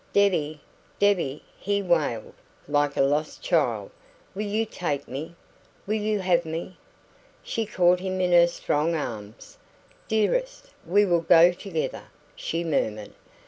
"Debbie, Debbie," he wailed, like a lost child, "will you take me? Will you have me?" She caught him in her strong arms. "Dearest, we will go together," she murmured.